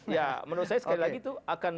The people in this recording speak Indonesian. ya menurut saya sekali lagi itu akan